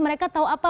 mereka tahu apa